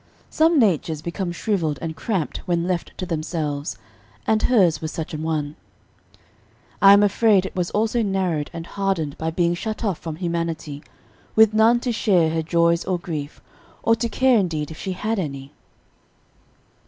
Some natures become shriveled and cramped when left to themselves, and hers was such an one; I am afraid it was also narrowed and hardened by being shut off from humanity, with none to share her joys or grief, or to care indeed, if she had any.